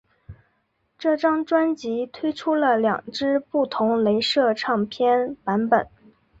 这张专辑推出了两只不同雷射唱片版本。